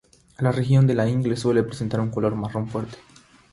La región de la ingle suele presentar un color marrón fuerte.